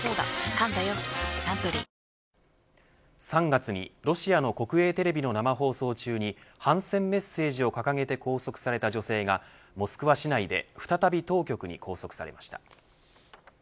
３月にロシアの国営テレビの生放送中に反戦メッセージを掲げて拘束された女性がモスクワ市内で再び当局に拘束されました。